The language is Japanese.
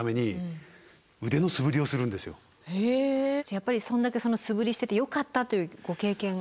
やっぱりそんだけ素振りしててよかったというご経験が。